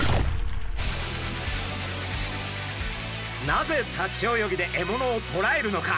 なぜ立ち泳ぎで獲物をとらえるのか？